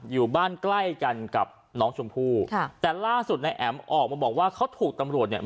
อยู่บ้านใกล้กันกับน้องชมพู่ค่ะแต่ล่าสุดนายแอ๋มออกมาบอกว่าเขาถูกตำรวจเนี่ย